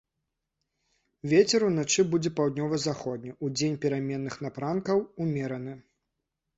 Вецер уначы будзе паўднёва-заходні, удзень пераменных напрамкаў ўмераны.